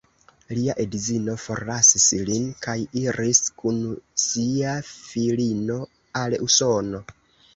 Lia edzino forlasis lin kaj iris kun sia filino al Usono.